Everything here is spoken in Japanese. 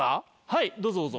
はいどうぞどうぞ。